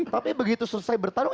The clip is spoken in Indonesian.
tapi begitu selesai bertarung